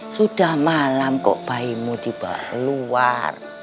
sudah malam kok bayimu dibawa keluar